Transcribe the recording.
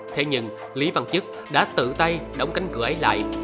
thế nhưng lý văn chức đã tự tay đóng cánh cửa ấy lại